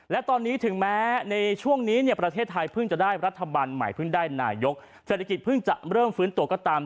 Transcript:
และตอนนี้ถึงแม้ในช่วงนี้เนี่ยประเทศไทยเพิ่งจะได้รัฐบาลใหม่เพิ่งได้นายกเศรษฐกิจเพิ่งจะเริ่มฟื้นตัวก็ตาม